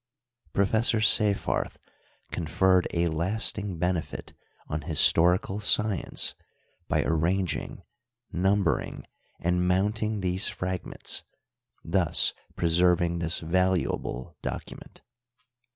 Prof. Seyffarth conferred a asting benefit on historical science by arranging, •number . ing, and mounting these fragments, thus preserving this valuable document.